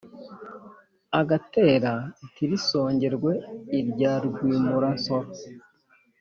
agatera ntirisongerwe irya rwimura-nsoro.